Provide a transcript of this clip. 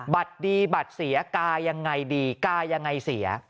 บัตรดีบัตรเสียกายังไงดีกายังไงเสีย